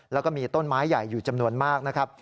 แล้วก็มีต้นไม้ใหญ่อยู่จำนวนมากนะครับ